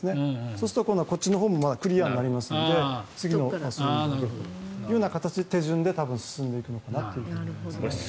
そうするとこっちのほうもクリアになりますので次のスリングという手順で進んでいくのかなと思います。